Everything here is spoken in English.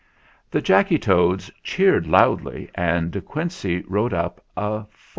The Jacky Toads cheered loudly, and De Quincey wrote up a 4.